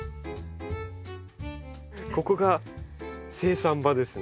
ここが生産場ですね。